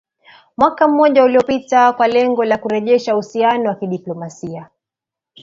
mwaka mmoja uliopita kwa lengo la kurejesha uhusiano wa kidiplomasia